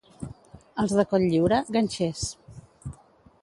Els de Cotlliure, ganxers.